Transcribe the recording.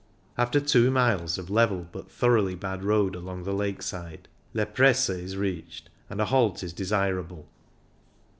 After two miles of level but thoroughly bad road along the lake side, Le Prese is reached, and a halt is desirable.